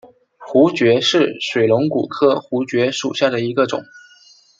槲蕨是水龙骨科槲蕨属下的一个种。